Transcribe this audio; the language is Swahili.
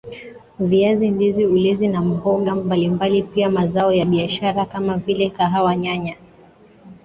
viazi ndizi ulezi na mboga mbalimbali Pia mazao ya biashara kama vile kahawa nyanya